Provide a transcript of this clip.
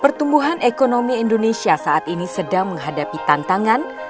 pertumbuhan ekonomi indonesia saat ini sedang menghadapi tantangan